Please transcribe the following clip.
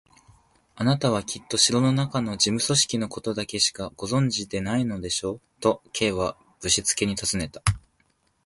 「あなたはきっと城のなかの事務組織のことだけしかご存じでないのでしょう？」と、Ｋ はぶしつけにたずねた。